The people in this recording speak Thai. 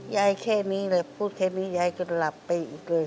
แค่นี้แหละพูดแค่นี้ยายจนหลับไปอีกเลย